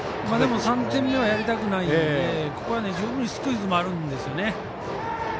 でも３点目はやりたくないのでここは十分にスクイズもあるんですね。